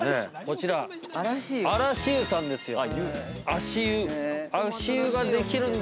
こちら、嵐湯さんですよ。